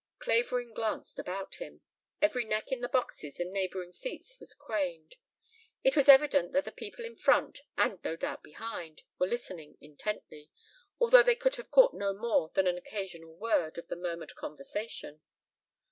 Clavering glanced about him. Every neck in the boxes and neighboring seats was craned. It was evident that the people in front and no doubt behind were listening intently, although they could have caught no more than an occasional word of the murmured conversation.